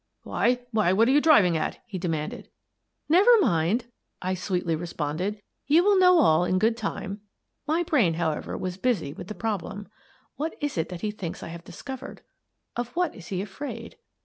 "Why — why, what are you driving at?" he demanded. " Never mind," I sweetly responded. " You will know all in good time." My brain, however, was busy with the problem :" What is it that he thinks I have discovered? Of what is he afraid